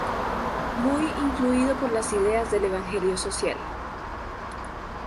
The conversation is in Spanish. Muy influido por las ideas del evangelio social.